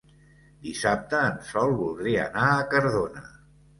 Dissabte en Sol voldria anar a Cardona.